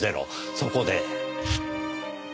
そこで。